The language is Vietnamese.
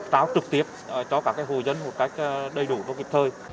tráo trực tiếp cho các hồ dân một cách đầy đủ và kịp thời